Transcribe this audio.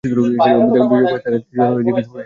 দোযখবাসীরা তার কাছে এসে জড়ো হয়ে জিজ্ঞেস করবে, হে অমুক!